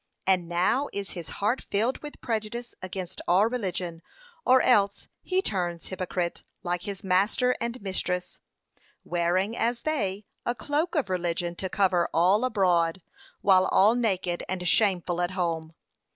And now is his heart filled with prejudice against all religion, or else he turns hypocrite like his master and his mistress, wearing, as they, a cloak of religion to cover all abroad, while all naked and shameful at home.'